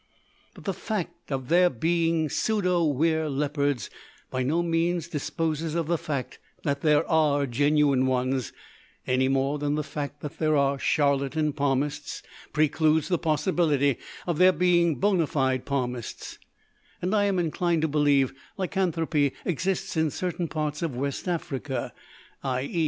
But the fact of there being pseudo wer leopards by no means disposes of the fact that there are genuine ones, any more than the fact that there are charlatan palmists precludes the possibility of there being bona fide palmists; and I am inclined to believe lycanthropy exists in certain parts of West Africa (_i.e.